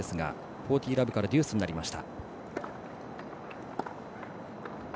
４０−０からデュースになりました。